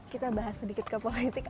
kita bahas sedikit ke politik